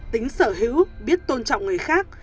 tính sở hữu biết tôn trọng người khác